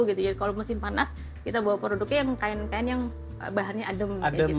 jadi kalau musim panas kita bawa produknya yang bahannya adem